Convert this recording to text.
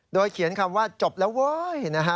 โดยเขียนคำว่าจบแล้วเว้ยนะฮะ